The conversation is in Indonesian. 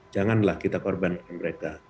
janganlah kita korbankan mereka